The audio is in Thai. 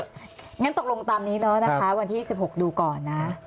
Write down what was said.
อย่างนั้นตกลงตามนี้นะคะวันที่๒๖ดูก่อนนะ